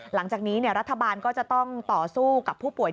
หลังจากนี้รัฐบาลก็จะต้องต่อสู้กับผู้ป่วย